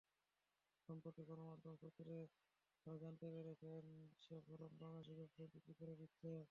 সম্প্রতি গণমাধ্যম সূত্রে তাঁরা জানতে পেরেছেন, শেভরন বাংলাদেশের ব্যবসা বিক্রি করে দিচ্ছে।